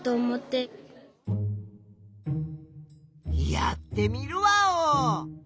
やってみるワオ！